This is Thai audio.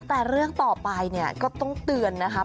แต่เรื่องต่อไปเนี่ยก็ต้องเตือนนะครับ